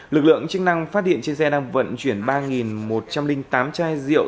lực lượng chức năng phát hiện trên xe đang vận chuyển ba một trăm linh tám chai rượu